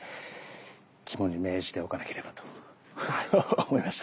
肝に銘じておかなければと思いました。